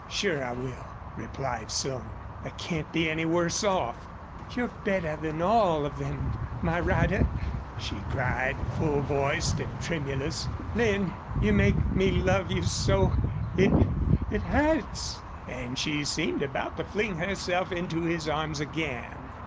"Sure I will," replied Slone. "I can't be any worse off." "You're better than all of them my rider!" she cried, full voiced and tremulous. "Lin, you make me love you so it it hurts!" And she seemed about to fling herself into his arms again.